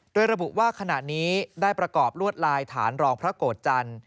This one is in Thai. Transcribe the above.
โดยระบุว่าขณะนี้ได้ประกอบลวดลายฐานรองพระโกรธจันทร์